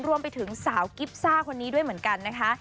รวมไปถึงสาวกิฟซ่าคนนี้ด้วยเหมือนกันนะคะ